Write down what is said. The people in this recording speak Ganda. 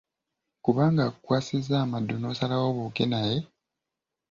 Kubanga akukwasizza amaddu n’osalawo obuuke naye.